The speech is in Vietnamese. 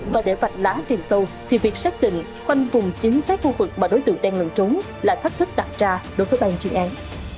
và để vạch lá tìm sâu thì việc xác định khoanh vùng chính xác khu vực mà đối tượng đen lẫn trốn là thách thức đặc tra đối với bang chuyên án